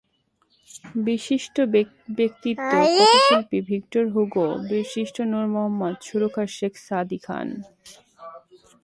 বিশিষ্ট ব্যক্তিত্ব—কথাশিল্পী Victor Hugo, বীরশ্রেষ্ঠ নূর মোহাম্মদ, সুরকার শেখ সাদী খান।